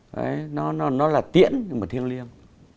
đấy nó là tiễn nhưng mà thiêng liêng